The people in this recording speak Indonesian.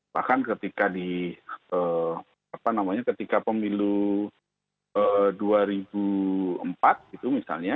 bahkan ketika di apa namanya ketika pemilu dua ribu empat gitu misalnya